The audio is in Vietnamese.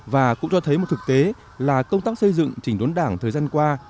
và cũng cho thấy một thực tế là công tác xây dựng chỉnh đốn đảng thời gian qua